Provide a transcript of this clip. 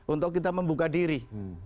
untuk kita membuka diri